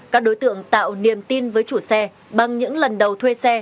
các đối tượng tạo niềm tin với chủ xe bằng những lần đầu thuê xe